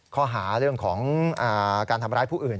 ข้อหาเรื่องของการทำร้ายผู้อื่น